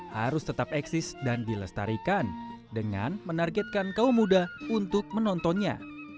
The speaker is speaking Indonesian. harus tetap eksis dan dilestarikan dengan menargetkan kaum muda untuk menontonnya